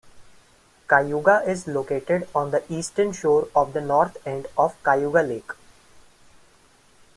Cayuga is located on the eastern shore of the north end of Cayuga Lake.